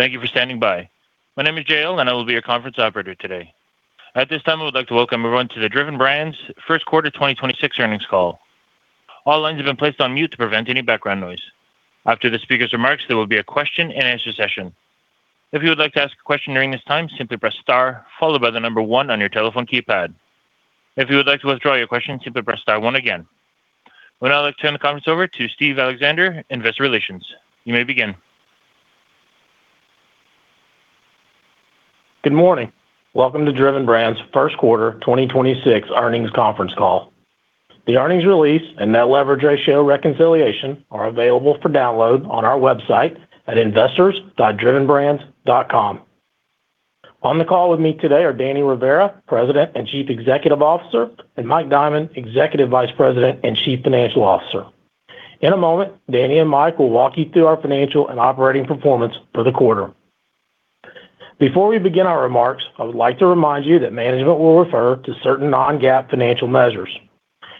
Thank you for standing by. My name is Jael, and I will be your conference operator today. At this time, I would like to welcome everyone to the Driven Brands First Quarter 2026 Earnings Call. All lines have been placed on mute to prevent any background noise. After the speakers' remarks, there will be a question-and-answer session. If you would like to ask a question during this time, simply press star, followed by the number one on your telephone keypad. If you would like to withdraw your question, simply press star one again. I would now like to turn the conference over to Steve Alexander, Investor Relations. You may begin. Good morning. Welcome to Driven Brands' first quarter 2026 earnings conference call. The earnings release and net leverage ratio reconciliation are available for download on our website at investors.drivenbrands.com. On the call with me today are Danny Rivera, President and Chief Executive Officer, and Mike Diamond, Executive Vice President and Chief Financial Officer. In a moment, Danny and Mike will walk you through our financial and operating performance for the quarter. Before we begin our remarks, I would like to remind you that management will refer to certain non-GAAP financial measures.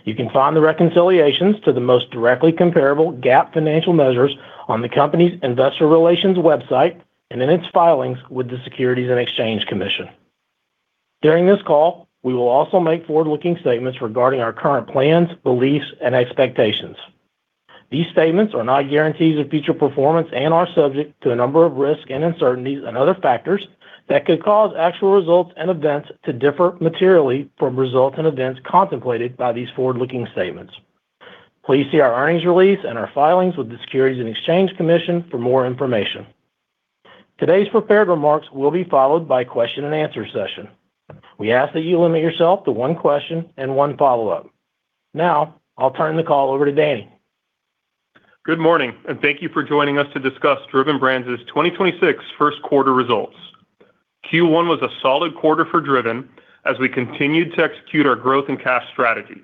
You can find the reconciliations to the most directly comparable GAAP financial measures on the company's investor relations website and in its filings with the Securities and Exchange Commission. During this call, we will also make forward-looking statements regarding our current plans, beliefs, and expectations. These statements are not guarantees of future performance and are subject to a number of risks and uncertainties and other factors that could cause actual results and events to differ materially from results and events contemplated by these forward-looking statements. Please see our earnings release and our filings with the Securities and Exchange Commission for more information. Today's prepared remarks will be followed by a question-and-answer session. We ask that you limit yourself to one question and one follow-up. Now, I'll turn the call over to Danny. Good morning, and thank you for joining us to discuss Driven Brands' 2026 first quarter results. Q1 was a solid quarter for Driven as we continued to execute our growth and cash strategy.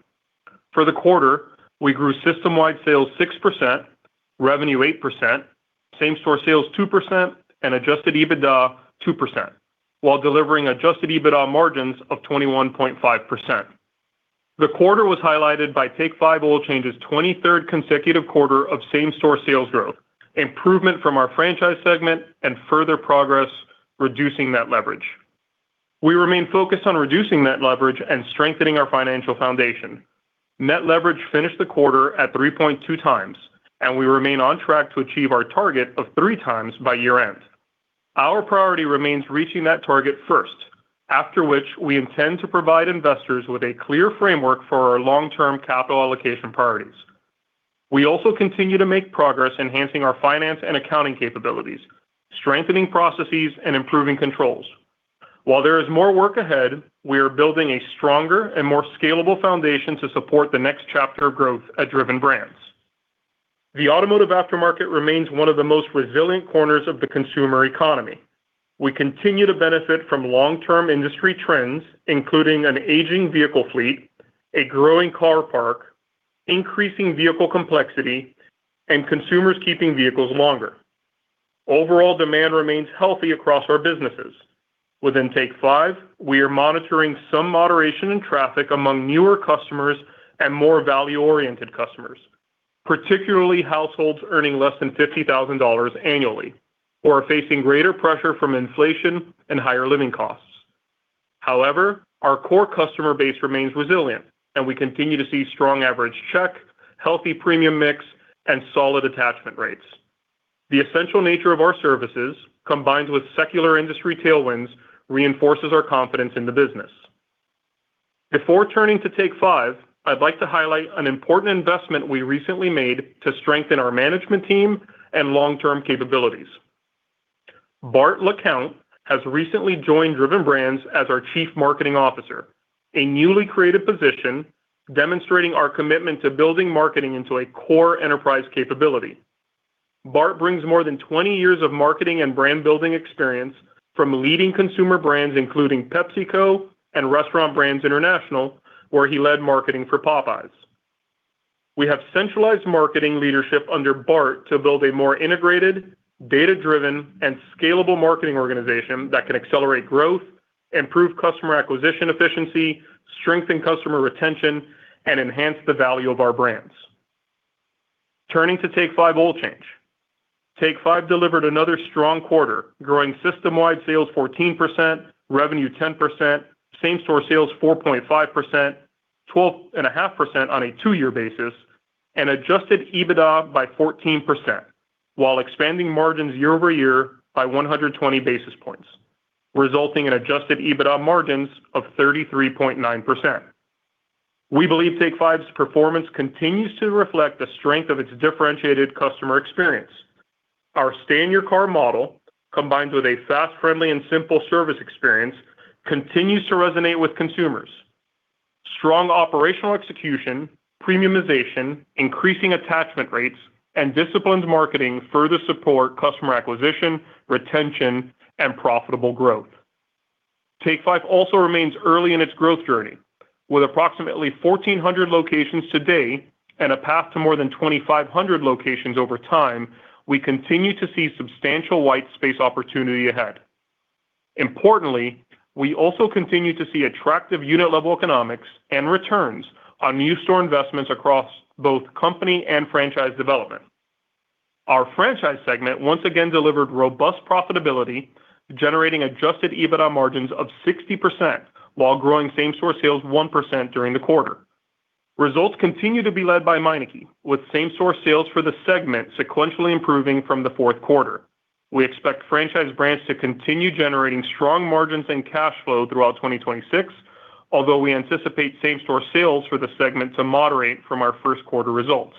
For the quarter, we grew system-wide sales 6%, revenue 8%, same-store sales 2%, and adjusted EBITDA 2%, while delivering adjusted EBITDA margins of 21.5%. The quarter was highlighted by Take 5 Oil Change's 23rd consecutive quarter of same-store sales growth, improvement from our franchise segment, and further progress reducing net leverage. We remain focused on reducing net leverage and strengthening our financial foundation. Net leverage finished the quarter at 3.2x, and we remain on track to achieve our target of 3x by year-end. Our priority remains reaching that target first, after which we intend to provide investors with a clear framework for our long-term capital allocation priorities. We also continue to make progress enhancing our finance and accounting capabilities, strengthening processes, and improving controls. While there is more work ahead, we are building a stronger and more scalable foundation to support the next chapter of growth at Driven Brands. The automotive aftermarket remains one of the most resilient corners of the consumer economy. We continue to benefit from long-term industry trends, including an aging vehicle fleet, a growing car park, increasing vehicle complexity, and consumers keeping vehicles longer. Overall demand remains healthy across our businesses. Within Take 5, we are monitoring some moderation in traffic among newer customers and more value-oriented customers, particularly households earning less than $50,000 annually or are facing greater pressure from inflation and higher living costs. However, our core customer base remains resilient, and we continue to see strong average check, healthy premium mix, and solid attachment rates. The essential nature of our services, combined with secular industry tailwinds, reinforces our confidence in the business. Before turning to Take 5, I'd like to highlight an important investment we recently made to strengthen our management team and long-term capabilities. Bart LaCount has recently joined Driven Brands as our Chief Marketing Officer, a newly created position demonstrating our commitment to building marketing into a core enterprise capability. Bart brings more than 20 years of marketing and brand-building experience from leading consumer brands, including PepsiCo and Restaurant Brands International, where he led marketing for Popeyes. We have centralized marketing leadership under Bart to build a more integrated, data-driven, and scalable marketing organization that can accelerate growth, improve customer acquisition efficiency, strengthen customer retention, and enhance the value of our brands. Turning to Take 5 Oil Change. Take 5 delivered another strong quarter, growing system-wide sales 14%, revenue 10%, same-store sales 4.5%, 12.5% on a two-year basis, and adjusted EBITDA by 14%, while expanding margins year-over-year by 120 basis points, resulting in adjusted EBITDA margins of 33.9%. We believe Take 5's performance continues to reflect the strength of its differentiated customer experience. Our stay-in-your-car model, combined with a fast, friendly, and simple service experience, continues to resonate with consumers. Strong operational execution, premiumization, increasing attachment rates, and disciplined marketing further support customer acquisition, retention, and profitable growth. Take 5 also remains early in its growth journey. With approximately 1,400 locations today and a path to more than 2,500 locations over time, we continue to see substantial white space opportunity ahead. Importantly, we also continue to see attractive unit level economics and returns on new store investments across both company and franchise development. Our franchise segment once again delivered robust profitability, generating adjusted EBITDA margins of 60%, while growing same-store sales 1% during the quarter. Results continue to be led by Meineke, with same-store sales for the segment sequentially improving from the fourth quarter. We expect Franchise Brands to continue generating strong margins and cash flow throughout 2026, although we anticipate same-store sales for the segment to moderate from our first quarter results.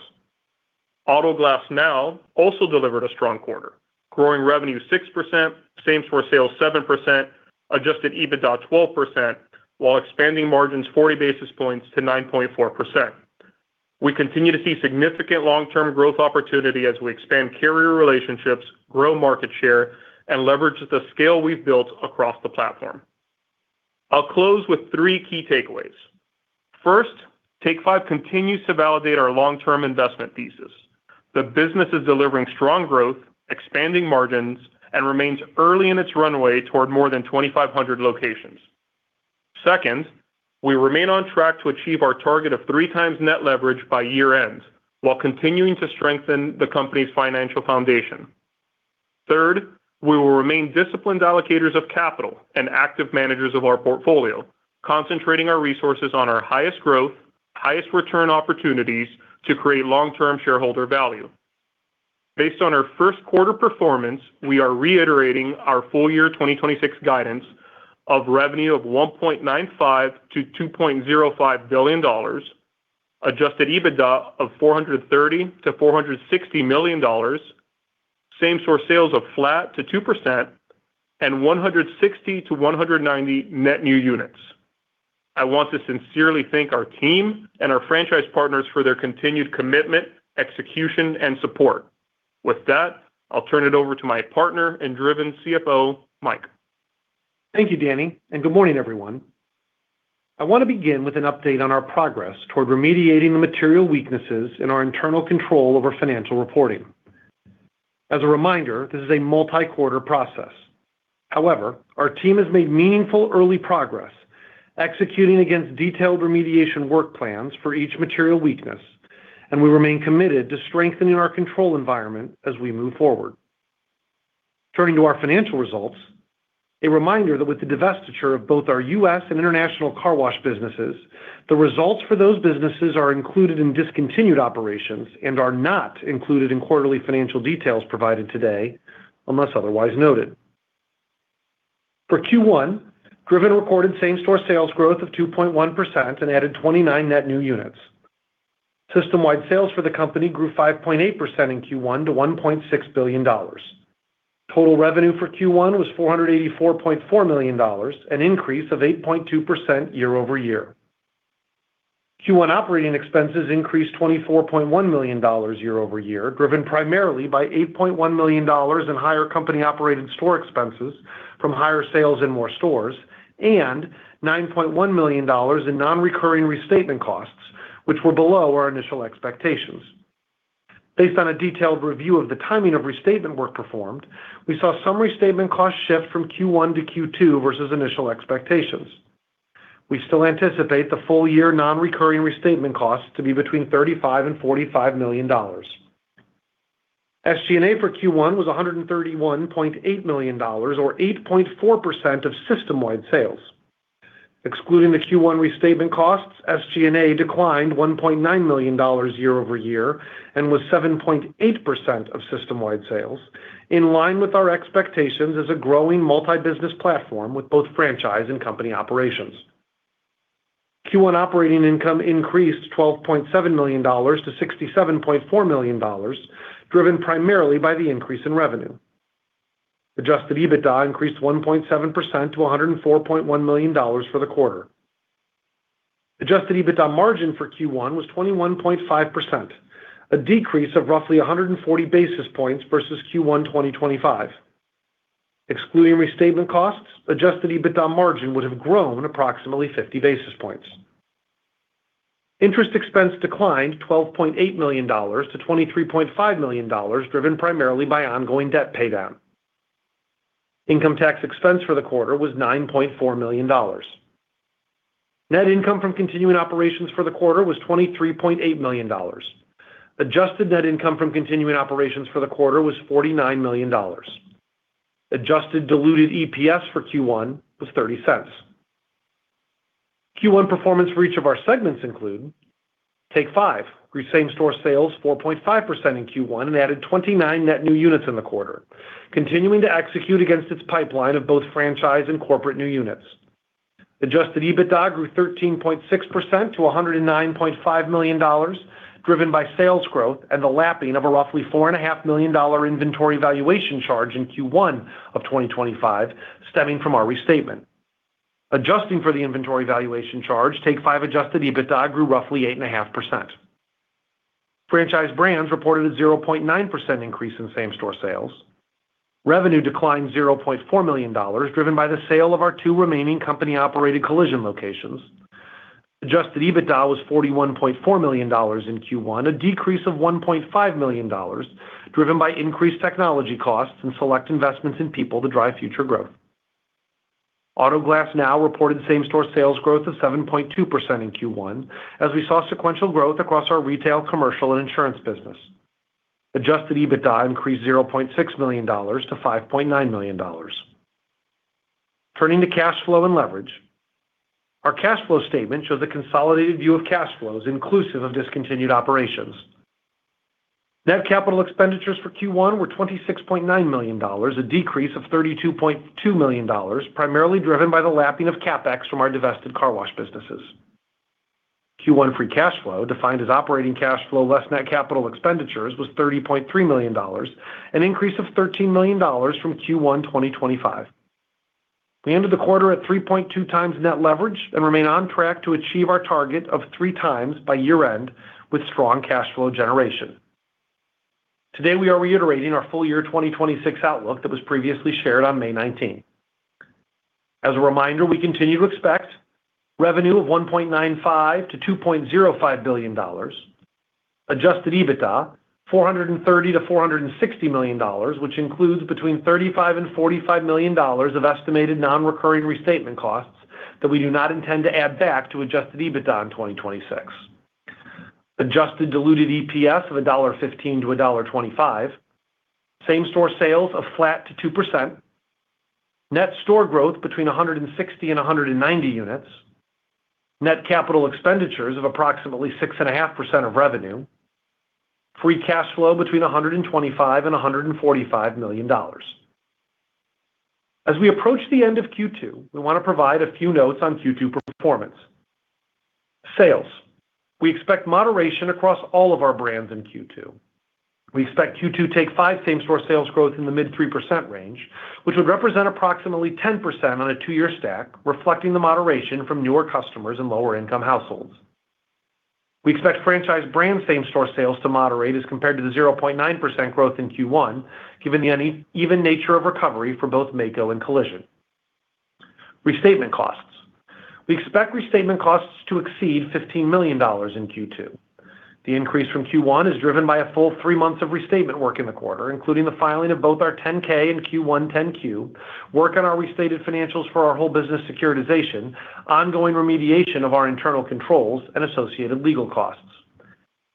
Auto Glass Now also delivered a strong quarter, growing revenue 6%, same-store sales 7%, adjusted EBITDA 12%, while expanding margins 40 basis points to 9.4%. We continue to see significant long-term growth opportunity as we expand carrier relationships, grow market share, and leverage the scale we've built across the platform. I'll close with three key takeaways. First, Take 5 continues to validate our long-term investment thesis. The business is delivering strong growth, expanding margins, and remains early in its runway toward more than 2,500 locations. Second, we remain on track to achieve our target of 3x net leverage by year-end, while continuing to strengthen the company's financial foundation. Third, we will remain disciplined allocators of capital and active managers of our portfolio, concentrating our resources on our highest growth, highest return opportunities to create long-term shareholder value. Based on our first quarter performance, we are reiterating our full year 2026 guidance of revenue of $1.95 billion to $2.05 billion, adjusted EBITDA of $430 million to $460 million, same-store sales of flat to 2%, and 160 to 190 net new units. I want to sincerely thank our team and our franchise partners for their continued commitment, execution, and support. With that, I'll turn it over to my partner and Driven CFO, Mike. Thank you, Danny, and good morning, everyone. I want to begin with an update on our progress toward remediating the material weaknesses in our internal control over financial reporting. As a reminder, this is a multi-quarter process. However, our team has made meaningful early progress executing against detailed remediation work plans for each material weakness, and we remain committed to strengthening our control environment as we move forward. Turning to our financial results, a reminder that with the divestiture of both our U.S. and international car wash businesses, the results for those businesses are included in discontinued operations and are not included in quarterly financial details provided today, unless otherwise noted. For Q1, Driven recorded same-store sales growth of 2.1% and added 29 net new units. System-wide sales for the company grew 5.8% in Q1 to $1.6 billion. Total revenue for Q1 was $484.4 million, an increase of 8.2% year-over-year. Q1 operating expenses increased $24.1 million year-over-year, driven primarily by $8.1 million in higher company-operated store expenses from higher sales in more stores, and $9.1 million in non-recurring restatement costs, which were below our initial expectations. Based on a detailed review of the timing of restatement work performed, we saw some restatement costs shift from Q1 to Q2 versus initial expectations. We still anticipate the full year non-recurring restatement costs to be between $35 million and $45 million. SG&A for Q1 was $131.8 million or 8.4% of system-wide sales. Excluding the Q1 restatement costs, SG&A declined $1.9 million year-over-year and was 7.8% of system-wide sales, in line with our expectations as a growing multi-business platform with both franchise and company operations. Q1 operating income increased $12.7 million to $67.4 million, driven primarily by the increase in revenue. Adjusted EBITDA increased 1.7% to $104.1 million for the quarter. Adjusted EBITDA margin for Q1 was 21.5%, a decrease of roughly 140 basis points versus Q1 2025. Excluding restatement costs, adjusted EBITDA margin would have grown approximately 50 basis points. Interest expense declined $12.8 million to $23.5 million, driven primarily by ongoing debt paydown. Income tax expense for the quarter was $9.4 million. Net income from continuing operations for the quarter was $23.8 million. Adjusted net income from continuing operations for the quarter was $49 million. Adjusted diluted EPS for Q1 was $0.30. Q1 performance for each of our segments include Take 5, grew same-store sales 4.5% in Q1 and added 29 net new units in the quarter, continuing to execute against its pipeline of both franchise and corporate new units. Adjusted EBITDA grew 13.6% to $109.5 million, driven by sales growth and the lapping of a roughly $4.5 million inventory valuation charge in Q1 of 2025, stemming from our restatement. Adjusting for the inventory valuation charge, Take 5 adjusted EBITDA grew roughly 8.5%. Franchise Brands reported a 0.9% increase in same-store sales. Revenue declined $0.4 million, driven by the sale of our two remaining company-operated collision locations. Adjusted EBITDA was $41.4 million in Q1, a decrease of $1.5 million, driven by increased technology costs and select investments in people to drive future growth. Auto Glass Now reported same-store sales growth of 7.2% in Q1, as we saw sequential growth across our retail, commercial, and insurance business. Adjusted EBITDA increased $0.6 million to $5.9 million. Turning to cash flow and leverage. Our cash flow statement shows a consolidated view of cash flows inclusive of discontinued operations. Net capital expenditures for Q1 were $26.9 million, a decrease of $32.2 million, primarily driven by the lapping of CapEx from our divested car wash businesses. Q1 free cash flow, defined as operating cash flow less net capital expenditures, was $30.3 million, an increase of $13 million from Q1 2025. We ended the quarter at 3.2x net leverage and remain on track to achieve our target of 3x by year-end with strong cash flow generation. Today, we are reiterating our full year 2026 outlook that was previously shared on May 19th. As a reminder, we continue to expect revenue of $1.95 billion to $2.05 billion, adjusted EBITDA $430 million to $460 million, which includes between $35 million and $45 million of estimated non-recurring restatement costs that we do not intend to add back to adjusted EBITDA in 2026. Adjusted diluted EPS of $1.15 to $1.25. Same-store sales of flat to 2%. Net store growth between 160 and 190 units. Net capital expenditures of approximately 6.5% of revenue. Free cash flow between $125 million and $145 million. As we approach the end of Q2, we want to provide a few notes on Q2 performance. Sales. We expect moderation across all of our brands in Q2. We expect Q2 Take 5 same-store sales growth in the mid 3% range, which would represent approximately 10% on a two-year stack, reflecting the moderation from newer customers and lower income households. We expect Franchise Brands same-store sales to moderate as compared to the 0.9% growth in Q1, given the uneven nature of recovery for both Maaco and Collision. Restatement costs. We expect restatement costs to exceed $15 million in Q2. The increase from Q1 is driven by a full three months of restatement work in the quarter, including the filing of both our 10-K and Q1 10-Q, work on our restated financials for our whole business securitization, ongoing remediation of our internal controls, and associated legal costs.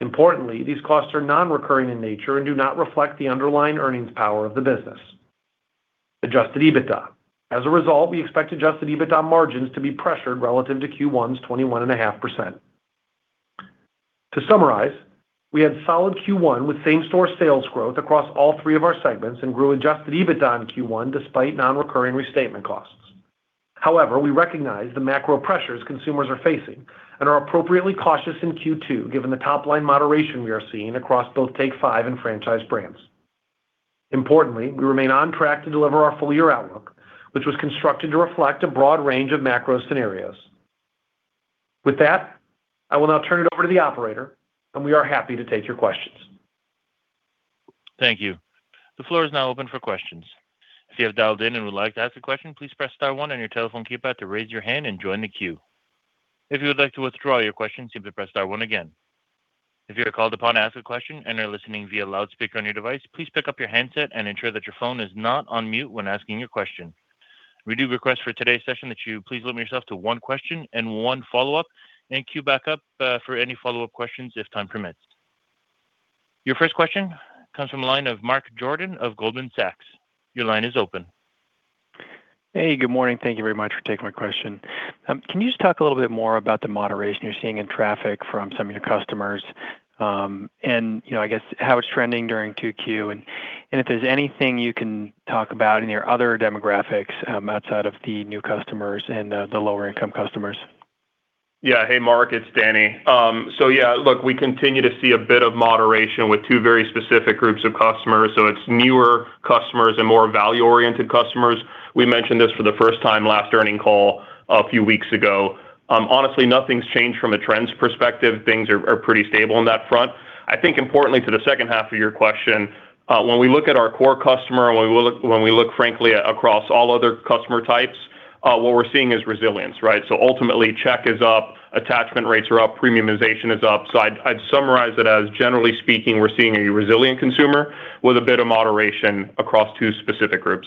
Importantly, these costs are non-recurring in nature and do not reflect the underlying earnings power of the business. Adjusted EBITDA. As a result, we expect adjusted EBITDA margins to be pressured relative to Q1's 21.5%. To summarize, we had solid Q1 with same-store sales growth across all three of our segments and grew adjusted EBITDA in Q1 despite non-recurring restatement costs. However, we recognize the macro pressures consumers are facing and are appropriately cautious in Q2 given the top-line moderation we are seeing across both Take 5 and Franchise Brands. Importantly, we remain on track to deliver our full year outlook, which was constructed to reflect a broad range of macro scenarios. With that, I will now turn it over to the operator and we are happy to take your questions. Thank you. The floor is now open for questions. If you have dialed in and would like to ask a question, please press star one on your telephone keypad to raise your hand and join the queue. If you would like to withdraw your question, simply press star one again. If you are called upon to ask a question and are listening via loudspeaker on your device, please pick up your handset and ensure that your phone is not on mute when asking your question. We do request for today's session that you please limit yourself to one question and one follow-up, and queue back up for any follow-up questions if time permits. Your first question comes from the line of Mark Jordan of Goldman Sachs. Your line is open. Hey, good morning. Thank you very much for taking my question. Can you just talk a little bit more about the moderation you're seeing in traffic from some of your customers, and I guess how it's trending during 2Q, and if there's anything you can talk about in your other demographics outside of the new customers and the lower income customers? Yeah. Hey, Mark, it's Danny. Yeah, look, we continue to see a bit of moderation with two very specific groups of customers. It's newer customers and more value-oriented customers. We mentioned this for the first time last earning call a few weeks ago. Honestly, nothing's changed from a trends perspective. Things are pretty stable on that front. I think importantly to the second half of your question, when we look at our core customer and when we look frankly across all other customer types, what we're seeing is resilience, right? Ultimately, check is up, attachment rates are up, premiumization is up. I'd summarize it as generally speaking, we're seeing a resilient consumer with a bit of moderation across two specific groups.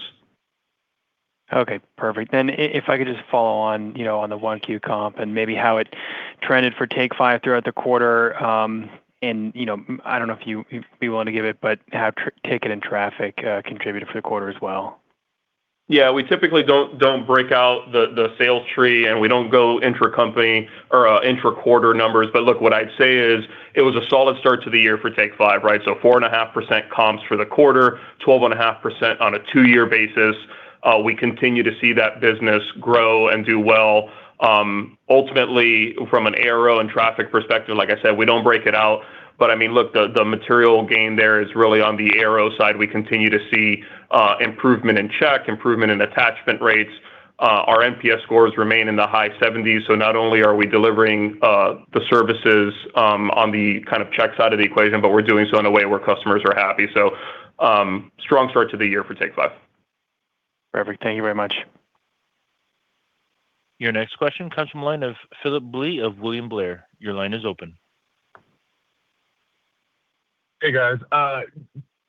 Okay, perfect. If I could just follow on the 1Q comp and maybe how it trended for Take 5 throughout the quarter. I don't know if you'd be willing to give it, but how ticket and traffic contributed for the quarter as well? We typically don't break out the sales tree and we don't go intra-quarter numbers. What I'd say is it was a solid start to the year for Take 5, right? 4.5% comps for the quarter, 12.5% on a two-year basis. We continue to see that business grow and do well. From an ARO and traffic perspective, like I said, we don't break it out. The material gain there is really on the ARO side. We continue to see improvement in check, improvement in attachment rates. Our NPS scores remain in the high 70s, so not only are we delivering the services on the checks side of the equation, but we're doing so in a way where customers are happy. Strong start to the year for Take 5. Perfect. Thank you very much. Your next question comes from the line of Phillip Blee of William Blair. Your line is open. Hey, guys.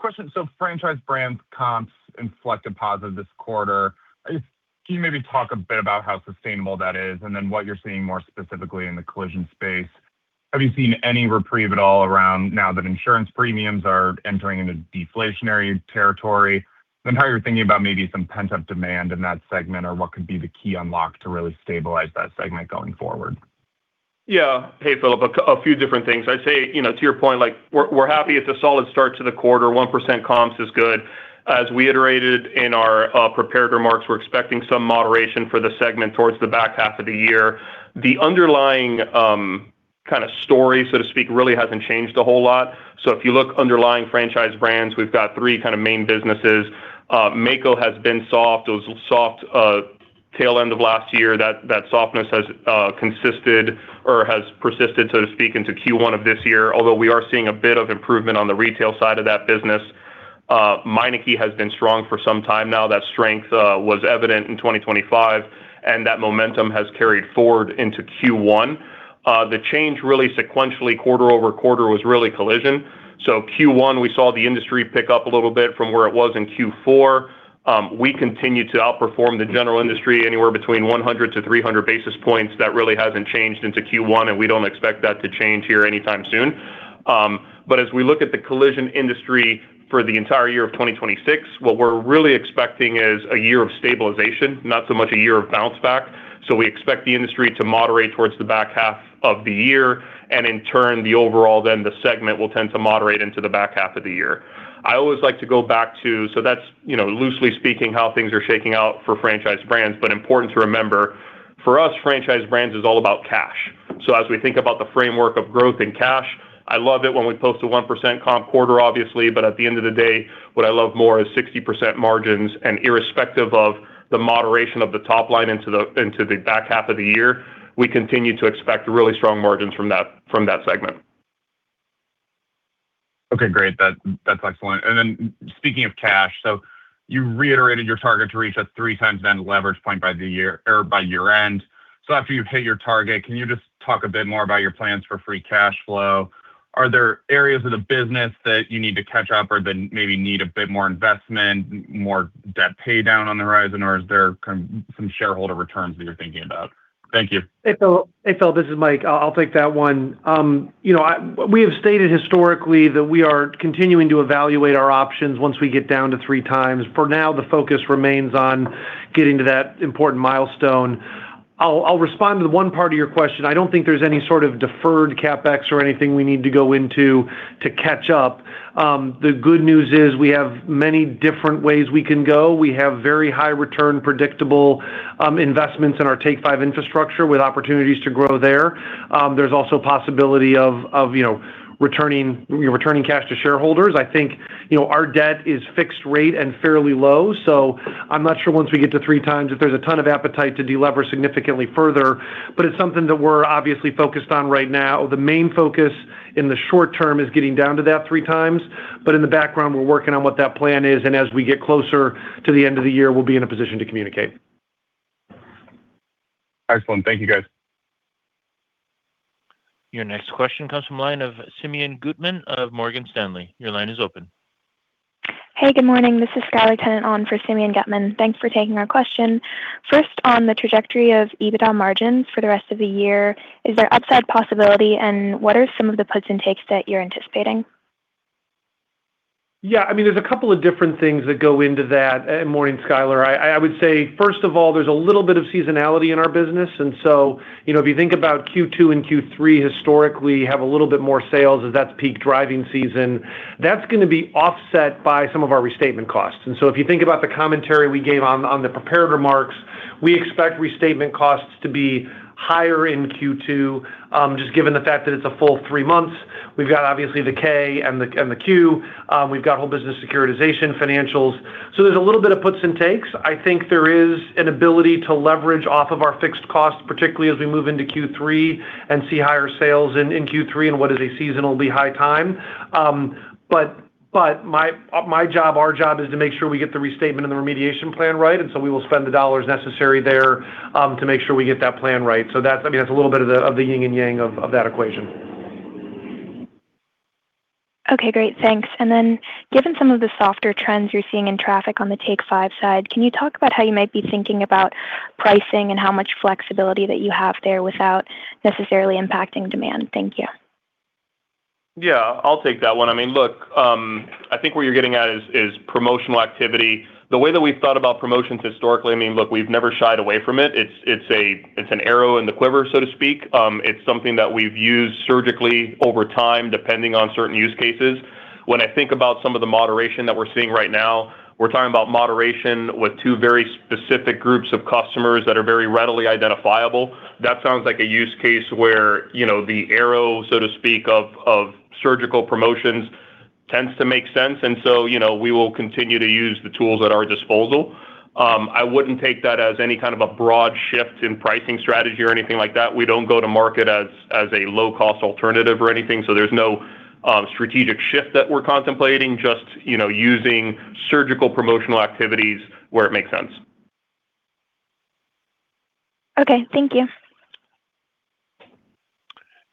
Question. Franchise Brands comps inflected positive this quarter. Can you maybe talk a bit about how sustainable that is and what you're seeing more specifically in the collision space? Have you seen any reprieve at all around now that insurance premiums are entering into deflationary territory? How you're thinking about maybe some pent-up demand in that segment or what could be the key unlock to really stabilize that segment going forward? Yeah. Hey, Phillip. A few different things. I'd say, to your point, we're happy it's a solid start to the quarter, 1% comps is good. As we iterated in our prepared remarks, we're expecting some moderation for the segment towards the back half of the year. The underlying story, so to speak, really hasn't changed a whole lot. If you look underlying Franchise Brands, we've got three main businesses. Maaco has been soft. It was soft tail end of last year. That softness has persisted, so to speak, into Q1 of this year, although we are seeing a bit of improvement on the retail side of that business. Meineke has been strong for some time now. That strength was evident in 2025, and that momentum has carried forward into Q1. The change really sequentially quarter-over-quarter was really collision. Q1, we saw the industry pick up a little bit from where it was in Q4. We continue to outperform the general industry anywhere between 100 to 300 basis points. That really hasn't changed into Q1, and we don't expect that to change here anytime soon. As we look at the collision industry for the entire year of 2026, what we're really expecting is a year of stabilization, not so much a year of bounce back. We expect the industry to moderate towards the back half of the year, and in turn, the overall then the segment will tend to moderate into the back half of the year. I always like to go back to, so that's loosely speaking, how things are shaking out for Franchise Brands, but important to remember, for us, Franchise Brands is all about cash. As we think about the framework of growth and cash, I love it when we post a 1% comp quarter, obviously, but at the end of the day, what I love more is 60% margins, and irrespective of the moderation of the top line into the back half of the year, we continue to expect really strong margins from that segment. Okay, great. That's excellent. Speaking of cash, you reiterated your target to reach that 3x net leverage point by year-end. After you've hit your target, can you just talk a bit more about your plans for free cash flow? Are there areas of the business that you need to catch up or that maybe need a bit more investment, more debt paydown on the horizon, or is there some shareholder returns that you're thinking about? Thank you. Hey, Phillip. This is Mike. I'll take that one. We have stated historically that we are continuing to evaluate our options once we get down to 3x. For now, the focus remains on getting to that important milestone. I'll respond to the one part of your question. I don't think there's any sort of deferred CapEx or anything we need to go into to catch up. The good news is we have many different ways we can go. We have very high return, predictable investments in our Take 5 infrastructure with opportunities to grow there. There's also possibility of returning cash to shareholders. I think our debt is fixed rate and fairly low. I'm not sure once we get to 3x if there's a ton of appetite to delever significantly further. It's something that we're obviously focused on right now. The main focus in the short term is getting down to that 3x. In the background, we're working on what that plan is, and as we get closer to the end of the year, we'll be in a position to communicate. Excellent. Thank you, guys. Your next question comes from the line of Simeon Gutman of Morgan Stanley. Your line is open. Hey, good morning. This is Skylar Tennant on for Simeon Gutman. Thanks for taking our question. First, on the trajectory of EBITDA margins for the rest of the year, is there upside possibility, and what are some of the puts and takes that you're anticipating? Yeah, there's a couple of different things that go into that. Morning, Skylar. I would say, first of all, there's a little bit of seasonality in our business. If you think about Q2 and Q3, historically, have a little bit more sales as that's peak driving season. That's going to be offset by some of our restatement costs. If you think about the commentary we gave on the prepared remarks, we expect restatement costs to be higher in Q2, just given the fact that it's a full three months. We've got, obviously, the K and the Q. We've got whole business securitization financials. There's a little bit of puts and takes. I think there is an ability to leverage off of our fixed costs, particularly as we move into Q3 and see higher sales in Q3 and what is a seasonally high time. My job, our job, is to make sure we get the restatement and the remediation plan right. We will spend the dollars necessary there to make sure we get that plan right. That's a little bit of the yin and yang of that equation. Okay, great. Thanks. Then given some of the softer trends you're seeing in traffic on the Take 5 side, can you talk about how you might be thinking about pricing and how much flexibility that you have there without necessarily impacting demand? Thank you. Yeah, I'll take that one. Look, I think what you're getting at is promotional activity. The way that we've thought about promotions historically, look, we've never shied away from it. It's an arrow in the quiver, so to speak. It's something that we've used surgically over time, depending on certain use cases. When I think about some of the moderation that we're seeing right now, we're talking about moderation with two very specific groups of customers that are very readily identifiable. That sounds like a use case where the arrow, so to speak, of surgical promotions tends to make sense. So we will continue to use the tools at our disposal. I wouldn't take that as any kind of a broad shift in pricing strategy or anything like that. We don't go to market as a low-cost alternative or anything. There's no strategic shift that we're contemplating, just using surgical promotional activities where it makes sense. Okay. Thank you.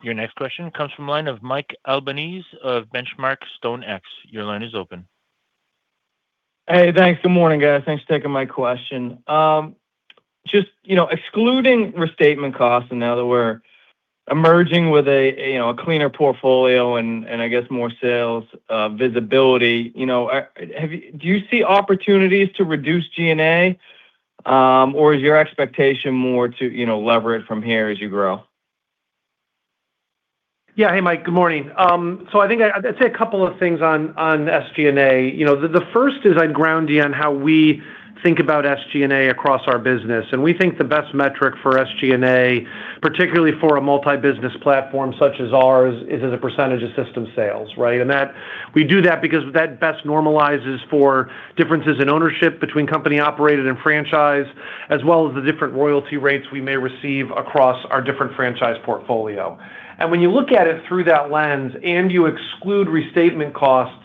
Your next question comes from the line of Mike Albanese of Benchmark StoneX. Your line is open. Hey, thanks. Good morning, guys. Thanks for taking my question. Just excluding restatement costs, now that we're emerging with a cleaner portfolio and I guess more sales visibility, do you see opportunities to reduce G&A, or is your expectation more to lever it from here as you grow? Hey, Mike, good morning. I think I'd say a couple of things on SG&A. The first is I'd ground you on how we think about SG&A across our business. We think the best metric for SG&A, particularly for a multi-business platform such as ours, is as a percentage of system sales, right? We do that because that best normalizes for differences in ownership between company-operated and franchise, as well as the different royalty rates we may receive across our different franchise portfolio. When you look at it through that lens and you exclude restatement costs,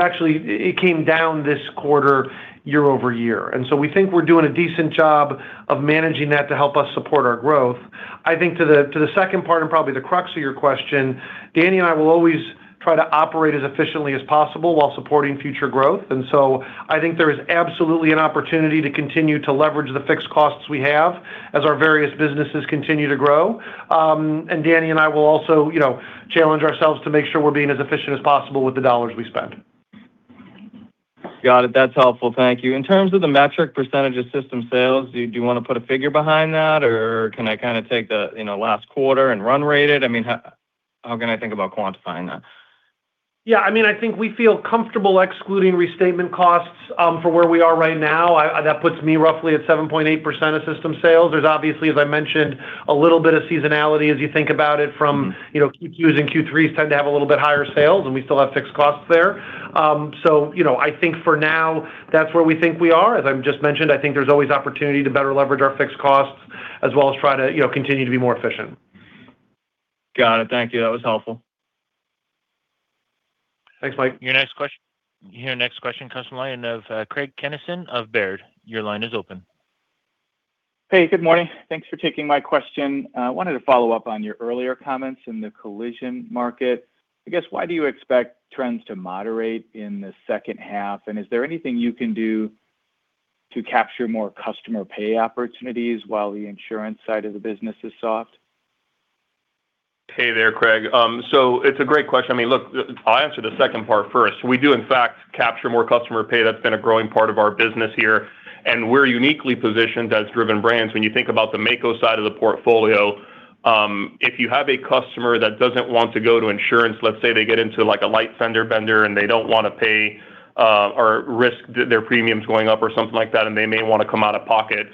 actually, it came down this quarter year-over-year. We think we're doing a decent job of managing that to help us support our growth. I think to the second part, and probably the crux of your question, Danny and I will always try to operate as efficiently as possible while supporting future growth. I think there is absolutely an opportunity to continue to leverage the fixed costs we have as our various businesses continue to grow. Danny and I will also challenge ourselves to make sure we're being as efficient as possible with the dollars we spend. Got it. That's helpful. Thank you. In terms of the metric percentage of system sales, do you want to put a figure behind that, or can I take the last quarter and run rate it? How can I think about quantifying that? Yeah, I think we feel comfortable excluding restatement costs for where we are right now. That puts me roughly at 7.8% of system sales. There's obviously, as I mentioned, a little bit of seasonality as you think about it from Q2s and Q3s tend to have a little bit higher sales, and we still have fixed costs there. I think for now, that's where we think we are. As I've just mentioned, I think there's always opportunity to better leverage our fixed costs as well as try to continue to be more efficient. Got it. Thank you. That was helpful. Thanks, Mike. Your next question comes from the line of Craig Kennison of Baird. Your line is open. Hey, good morning. Thanks for taking my question. I wanted to follow up on your earlier comments in the collision market. I guess, why do you expect trends to moderate in the second half, and is there anything you can do to capture more customer pay opportunities while the insurance side of the business is soft? Hey there, Craig. It's a great question. Look, I'll answer the second part first. We do, in fact, capture more customer pay. That's been a growing part of our business here, and we're uniquely positioned as Driven Brands when you think about the Maaco side of the portfolio. If you have a customer that doesn't want to go to insurance, let's say they get into a light fender bender, and they don't want to pay or risk their premiums going up or something like that, and they may want to come out of pocket,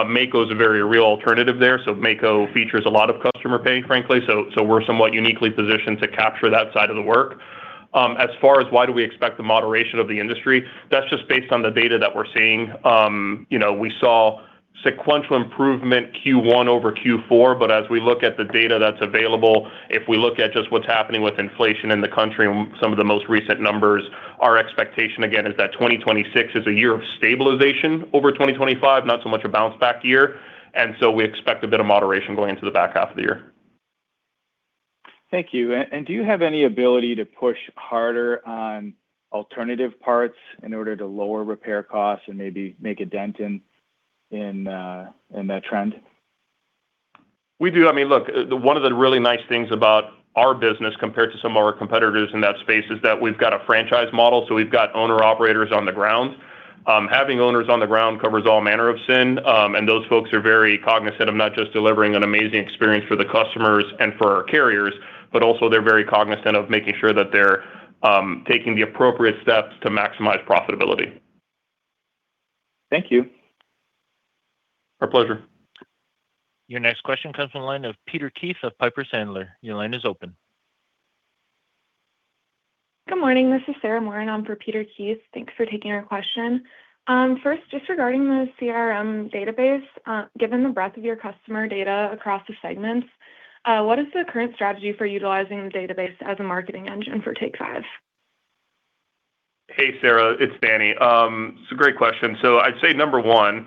Maaco is a very real alternative there. Maaco features a lot of customer pay, frankly. We're somewhat uniquely positioned to capture that side of the work. As far as why do we expect the moderation of the industry, that's just based on the data that we're seeing. We saw sequential improvement Q1 over Q4, but as we look at the data that's available, if we look at just what's happening with inflation in the country and some of the most recent numbers, our expectation, again, is that 2026 is a year of stabilization over 2025, not so much a bounce back year. We expect a bit of moderation going into the back half of the year. Thank you. Do you have any ability to push harder on alternative parts in order to lower repair costs and maybe make a dent in that trend? We do. Look, one of the really nice things about our business compared to some of our competitors in that space is that we've got a franchise model, so we've got owner-operators on the ground. Having owners on the ground covers all manner of sin, and those folks are very cognizant of not just delivering an amazing experience for the customers and for our carriers, but also they're very cognizant of making sure that they're taking the appropriate steps to maximize profitability. Thank you. Our pleasure. Your next question comes from the line of Peter Keith of Piper Sandler. Your line is open. Good morning. This is Sarah Morin. I'm for Peter Keith. Thanks for taking our question. First, just regarding the CRM database, given the breadth of your customer data across the segments, what is the current strategy for utilizing the database as a marketing engine for Take 5? Hey, Sarah. It's Danny. It's a great question. I'd say, number one,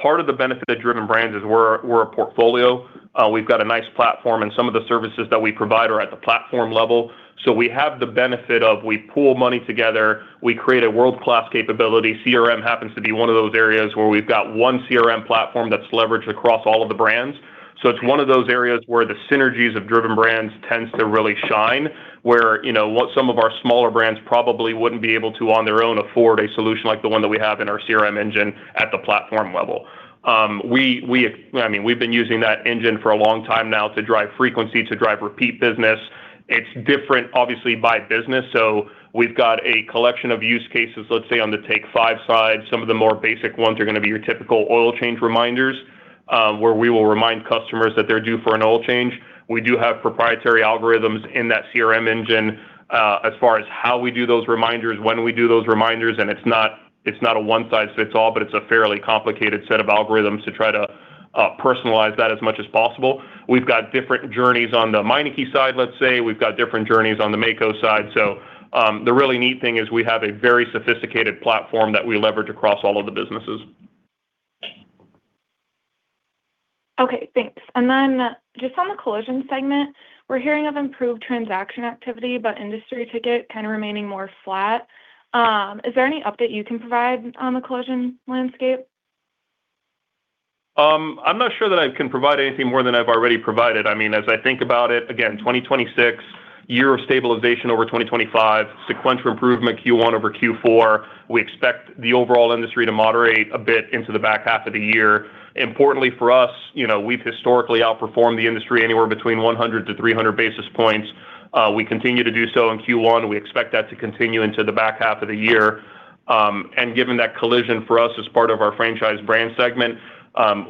part of the benefit of Driven Brands is we're a portfolio. We've got a nice platform. Some of the services that we provide are at the platform level. We have the benefit of we pool money together, we create a world-class capability. CRM happens to be one of those areas where we've got one CRM platform that's leveraged across all of the brands. It's one of those areas where the synergies of Driven Brands tends to really shine, where some of our smaller brands probably wouldn't be able to, on their own, afford a solution like the one that we have in our CRM engine at the platform level. We've been using that engine for a long time now to drive frequency, to drive repeat business. It's different, obviously, by business. We've got a collection of use cases, let's say, on the Take 5 side. Some of the more basic ones are going to be your typical oil change reminders. Where we will remind customers that they're due for an oil change. We do have proprietary algorithms in that CRM engine as far as how we do those reminders, when we do those reminders, and it's not a one-size-fits-all, but it's a fairly complicated set of algorithms to try to personalize that as much as possible. We've got different journeys on the Meineke side, let's say. We've got different journeys on the Maaco side. The really neat thing is we have a very sophisticated platform that we leverage across all of the businesses. Okay, thanks. Just on the collision segment, we're hearing of improved transaction activity, but industry ticket kind of remaining more flat. Is there any update you can provide on the collision landscape? I'm not sure that I can provide anything more than I've already provided. As I think about it, again, 2026, year of stabilization over 2025, sequential improvement Q1 over Q4. We expect the overall industry to moderate a bit into the back half of the year. Importantly for us, we've historically outperformed the industry anywhere between 100 to 300 basis points. We continue to do so in Q1. We expect that to continue into the back half of the year. Given that collision for us is part of our Franchise Brands segment,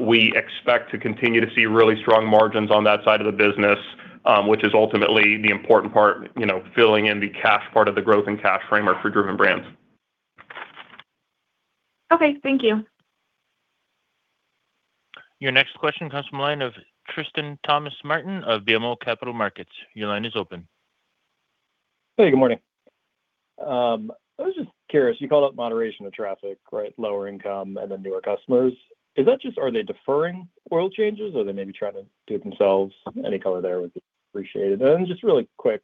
we expect to continue to see really strong margins on that side of the business, which is ultimately the important part, filling in the cash part of the growth and cash framework for Driven Brands. Okay. Thank you. Your next question comes from the line of Tristan Thomas-Martin of BMO Capital Markets. Your line is open. Hey, good morning. I was just curious, you called out moderation of traffic, right? Lower income and newer customers. Are they deferring oil changes or they maybe trying to do it themselves? Any color there would be appreciated. Just really quick,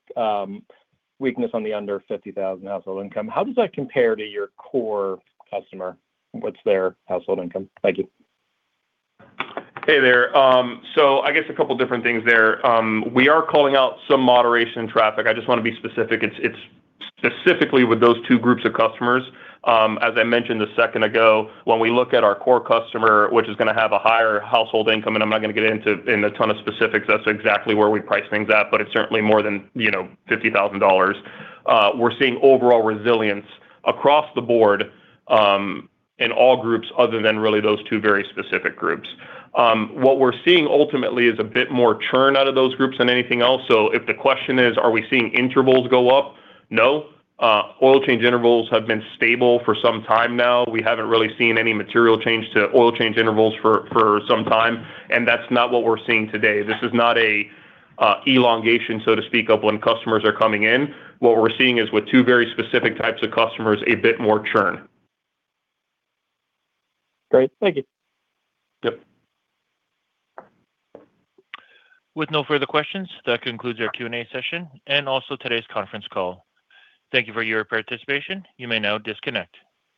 weakness on the under $50,000 household income. How does that compare to your core customer? What's their household income? Thank you. Hey there. I guess a couple different things there. We are calling out some moderation traffic. I just want to be specific. It's specifically with those two groups of customers. As I mentioned a second ago, when we look at our core customer, which is going to have a higher household income, I'm not going to get into a ton of specifics as to exactly where we price things at, it's certainly more than $50,000. We're seeing overall resilience across the board in all groups other than really those two very specific groups. What we're seeing ultimately is a bit more churn out of those groups than anything else. If the question is, are we seeing intervals go up? No. Oil change intervals have been stable for some time now. We haven't really seen any material change to oil change intervals for some time, that's not what we're seeing today. This is not a elongation, so to speak, of when customers are coming in. What we're seeing is with two very specific types of customers, a bit more churn. Great. Thank you. Yep. With no further questions, that concludes our Q&A session and also today's conference call. Thank you for your participation. You may now disconnect.